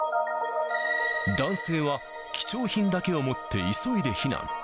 男性は貴重品だけを持って急いで避難。